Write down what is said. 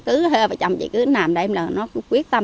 cứ hơ vợ chồng chị cứ nằm đây